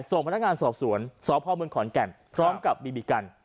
ส่งพนักงานสอบสวนสพมขแก่นพร้อมกับบิบิกัน